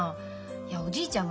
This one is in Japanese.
いやおじいちゃんがね